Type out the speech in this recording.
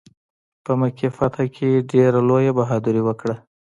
په مکې فتح کې ډېره لویه بهادري وکړه.